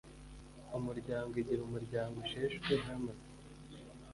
Umuryango igihe umuryango usheshwe hamaze